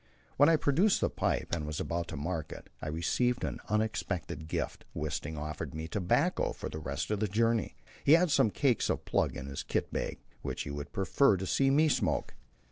When I produced my pipe and was about to mark it, I received an unexpected gift Wisting offered me tobacco for the rest of the journey. He had some cakes of plug in his kit bag, which he would prefer to see me smoke.